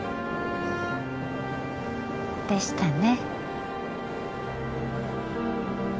でしたね